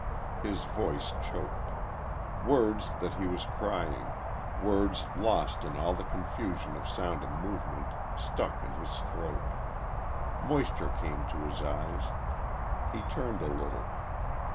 His voice choked. Words that he was crying words lost in all the confusion of sound and movement stuck in his throat. Moisture came to his eyes.... He turned a little....